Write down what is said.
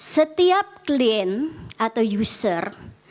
setiap clean atau user